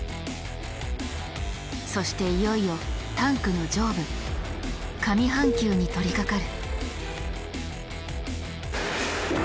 そしていよいよタンクの上部「上半球」に取りかかる。